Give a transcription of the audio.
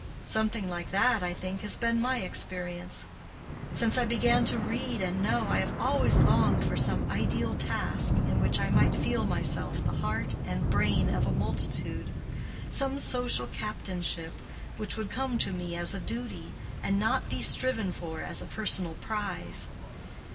Something like that, I think, has been my experience. Since I began to read and know, I have always longed for some ideal task, in which I might feel myself the heart and brain of a multitude—some social captainship, which would come to me as a duty, and not be striven for as a personal prize.